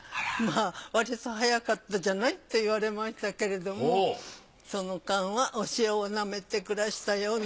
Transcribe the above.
「わりと早かったじゃない」と言われましたけれどもその間はお塩をなめて暮らしたような。